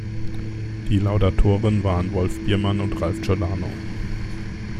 Die Laudatoren waren Wolf Biermann und Ralph Giordano.